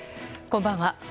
こんばんは。